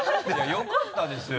よかったですか？